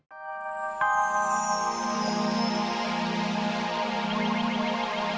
sampai jumpa di video selanjutnya